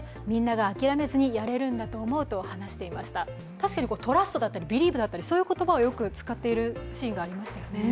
確かに、トラストだったりビリーブだったりそういう言葉をよく使っているシーンがありましたよね。